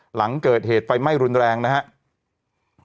หลังเกิดเหตุไฟไหม้รุนแรงนะครับ